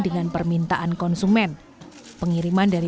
ketika itu pembantuan pembantuan pembantuan yang terlambat